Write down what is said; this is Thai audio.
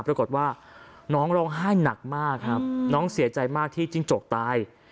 ปรากฏว่าน้องร้องไห้หนักมากครับน้องเสียใจมากที่จิ้งจกตาย